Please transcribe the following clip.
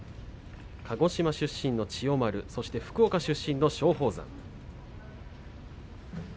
鹿児島出身の千代丸福岡出身の松鳳山。